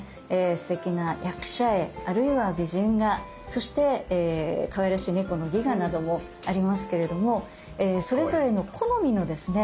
すてきな役者絵あるいは美人画そしてかわいらしい猫の戯画などもありますけれどもそれぞれの好みのですね